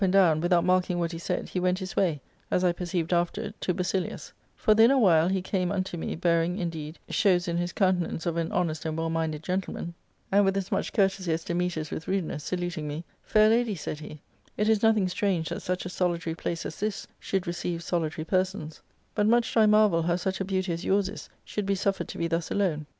and down, without marking what he said, he went his way, as I perceived after, to Basilius ; for, within a while, he came unto me, bearing, indeeSTsnows in his countenance of an honest and well minded gentleman, and, with as much courtesy as Dametas with rudeness, saluting me :* Fair lady,' said he, St is nothing strange that such a solitary place as this should receive solitary persons ; but much do I marvel how such a beauty as yours is should be suffered to be thus alone.'